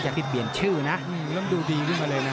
อยากที่เปลี่ยนชื่อนะเริ่มดูดีขึ้นมาเลยนะ